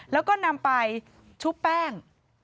แล้วก็นำไปชุบแป้ง